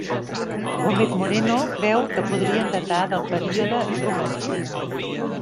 Gómez Moreno creu que podrien datar del període romànic.